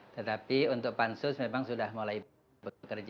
tetapi untuk pansus memang sudah mulai bekerja